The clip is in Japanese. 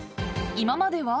［今までは？］